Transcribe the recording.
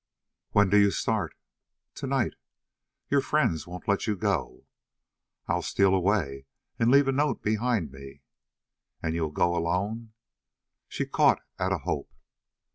"When do you start?" "Tonight." "Your friends won't let you go." "I'll steal away and leave a note behind me." "And you'll go alone?" She caught at a hope.